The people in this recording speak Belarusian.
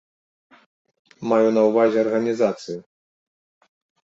Маю на ўвазе арганізацыю.